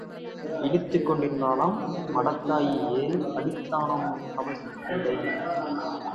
இளித்துக் கொண்டிருந்தாளாம் மடத்தாயி ஏறி அடித்தானாம் தவசிப் பிள்ளை.